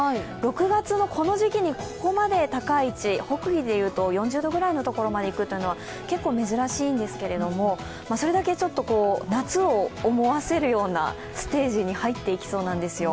６月のこの時期にここまで高い位置北緯でいうと４０度ぐらいまでのところに行くっていうのは結構珍しいんですけど、それだけ夏を思わせるようなステージに入っていきそうなんですよ。